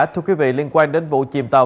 thưa quý vị liên quan đến vụ chìm tàu